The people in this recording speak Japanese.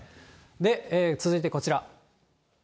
で、続いてこちら。